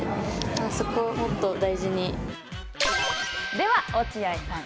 では、落合さん